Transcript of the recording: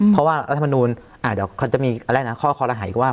เพราะว่ารัฐมนูนเดี๋ยวจะมีข้อละหายว่า